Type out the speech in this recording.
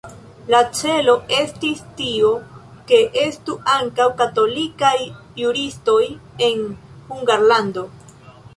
La celo estis tio, ke estu ankaŭ katolikaj juristoj en Hungarlando.